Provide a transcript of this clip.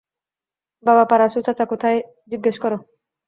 বাবা, পারাসু চাচা কোথায় জিজ্ঞেস করো?